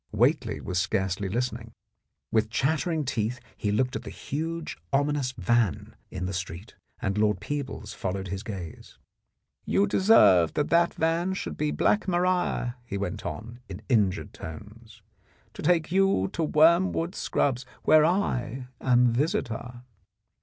Whately was scarcely listening; with chattering teeth he looked at the huge ominous van in the street, and Lord Peebles followed his gaze. "You deserve that that van should be Black Maria," he went on in injured tones, "to take you to Wormwood Scrubs, where I am visitor."